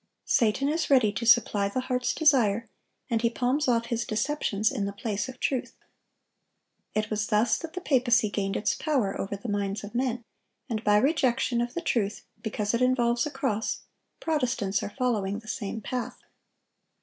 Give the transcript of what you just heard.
Satan is ready to supply the heart's desire, and he palms off his deceptions in the place of truth. It was thus that the papacy gained its power over the minds of men; and by rejection of the truth because it involves a cross, Protestants are following the same path.